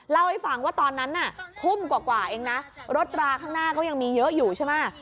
เล่าให้ฟังว่าตอนนั้นน่ะทุ่มกว่าเองนะรถราข้างหน้าก็ยังมีเยอะอยู่ใช่ไหม